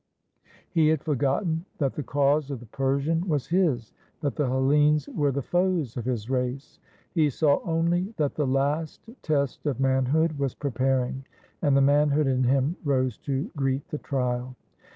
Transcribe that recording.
He had forgotten that the cause of the Persian was his; that the Hellenes were the foes of his race. He saw only that the last test of manhood was preparing, and the manhood in him rose to greet the trial.